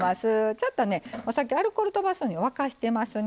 ちょっとねお酒アルコールとばすのに沸かしてますね。